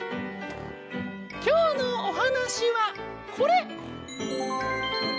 きょうのおはなしはこれ。